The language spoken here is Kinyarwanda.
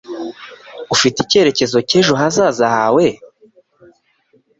Ufite icyerekezo cy'ejo hazaza hawe?